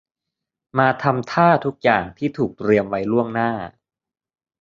มาทำท่าทุกอย่างที่ถูกเตรียมไว้ล่วงหน้า